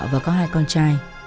và có hai con trai